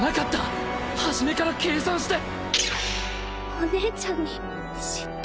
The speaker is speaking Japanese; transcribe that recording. お姉ちゃんに嫉妬？